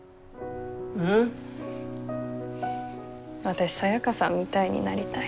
私サヤカさんみたいになりたい。